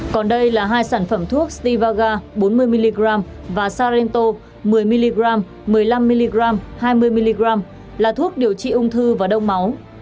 còn đây là hai sản phẩm thuốc stevaga bốn mươi mg và sarento một mươi mg một mươi năm mg hai mươi mg là thuốc điều trị ung thư và đông máu